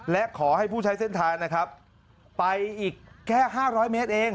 และขอให้ผู้ใช้เส้นทางนะครับไปอีกแค่๕๐๐เมตรเอง